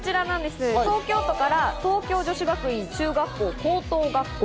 今日は東京都から東京女子学院中学校・高等学校。